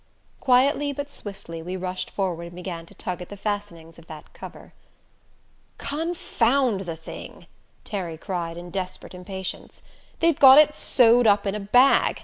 Quietly but swiftly we rushed forward and began to tug at the fastenings of that cover. "Confound the thing!" Terry cried in desperate impatience. "They've got it sewed up in a bag!